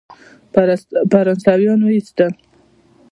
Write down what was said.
فرانسویان وایستل.